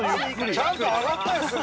ちゃんと上がったすぐ。